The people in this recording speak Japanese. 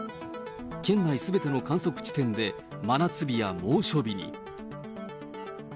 県内すべての観測地点で、真夏日や猛暑日に。